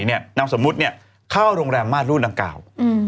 นางสมมติเข้าโรงแรมมารุนนางกล่าว